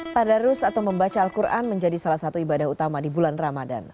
tadarus atau membaca al quran menjadi salah satu ibadah utama di bulan ramadan